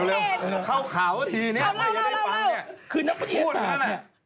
ก็มันเก่งมันเข้าขาวทีเนี่ยไม่ได้ได้ฟังเนี่ยคือนักบุรีสารเนี่ย